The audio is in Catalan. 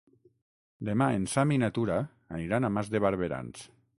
Demà en Sam i na Tura aniran a Mas de Barberans.